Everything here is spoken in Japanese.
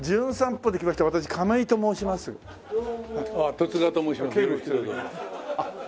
十津川と申します。